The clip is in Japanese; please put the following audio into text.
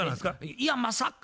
「いやまさか」。